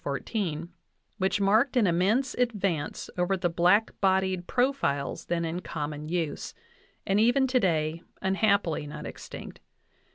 14), which marked an immense advance over the black bodied profiles then in common use, and even today unhappily not extinct.